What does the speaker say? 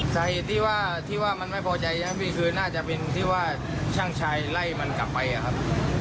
สาเหตุที่ว่ามันไม่พอใจน่าจะเป็นที่ว่าช่างชายไล่มันกลับไปครับ